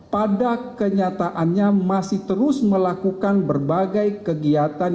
pada kenyataannya masih terus melakukan berbagai kegiatan